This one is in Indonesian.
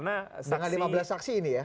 dengan lima belas saksi ini ya